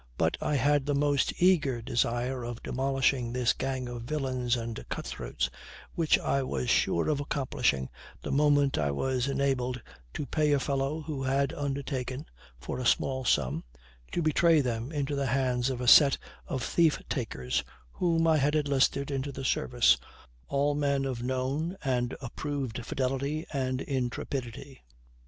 But I had the most eager desire of demolishing this gang of villains and cut throats, which I was sure of accomplishing the moment I was enabled to pay a fellow who had undertaken, for a small sum, to betray them into the hands of a set of thief takers whom I had enlisted into the service, all men of known and approved fidelity and intrepidity.